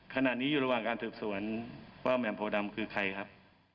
ขณะนี้อยู่ระหว่างการสืบสวนว่าแหม่มโพดำคือใครครับ